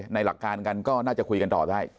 หลักการกันก็น่าจะคุยกันต่อได้